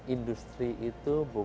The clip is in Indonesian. industri itu berubah